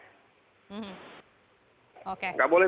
oke nanti sudah berbeda lagi hal hal begini kan nggak boleh